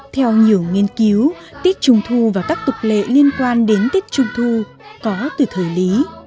theo nhiều nghiên cứu tiết trùng thu và các tục lệ liên quan đến tiết trùng thu có từ thời lý